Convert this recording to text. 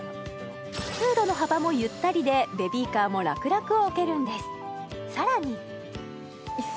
通路の幅もゆったりでベビーカーも楽々置けるんですさらに